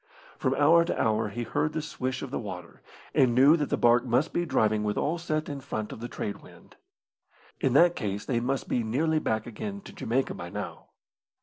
From hour to hour he heard the swish of the water, and knew that the barque must be driving with all set in front of the trade wind. In that case they must be nearly back again to Jamaica by now.